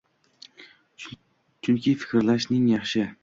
Chunki fikrlashing yaxshi